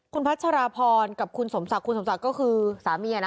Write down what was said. คุณพัชราพรกับคุณสมศักดิ์คุณสมศักดิ์ก็คือสามีนะ